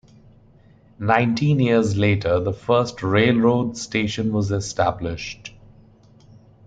Nineteen years later, the first railroad station was established.